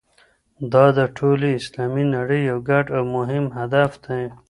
دا د ټولې اسلامي نړۍ یو ګډ او مهم هدف دی.